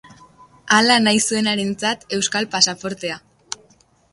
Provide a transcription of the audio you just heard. Hala nahi zuenarentzat euskal pasaportea.